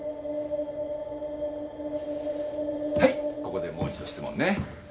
はいここでもう１度質問ね。